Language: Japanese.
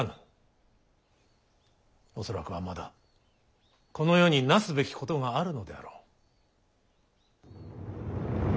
恐らくはまだこの世になすべきことがあるのであろう。